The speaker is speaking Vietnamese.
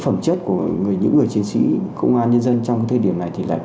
phẩm chất của những người chiến sĩ công an nhân dân trong thời điểm này